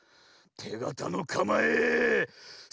てがたのかまえその１！